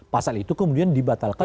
pasal itu kemudian dibatalkan